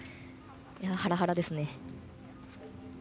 ハラハラですね。